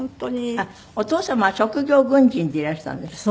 あっお父様は職業軍人でいらしたんですって？